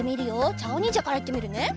じゃああおにんじゃからいってみるね。